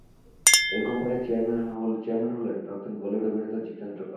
এই কোম্পানির চেয়ারম্যান হলেন প্রাক্তন বলিউড অভিনেতা জিতেন্দ্র কাপুর।